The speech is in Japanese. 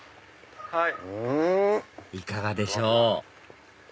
いかがでしょう？